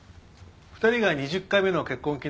２人が２０回目の結婚